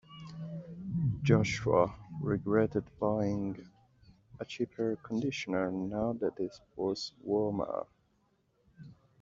Joshua regretted buying a cheap air conditioner now that it was warmer.